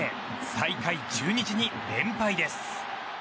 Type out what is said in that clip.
最下位、中日に連敗です。